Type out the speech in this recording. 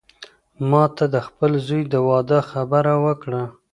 ما ته د خپل زوی د واده خبره وکړه.